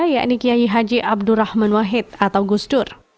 yakni kiai haji abdurrahman wahid atau gusdur